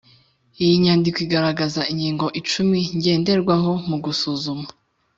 iyi nyandiko iragaragaza ingingo icumi ngenderwaho mu gusuzuma